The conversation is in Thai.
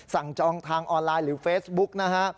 จองทางออนไลน์หรือเฟซบุ๊กนะฮะ